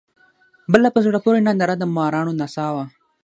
بله په زړه پورې ننداره د مارانو نڅا وه.